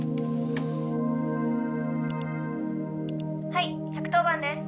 「はい１１０番です。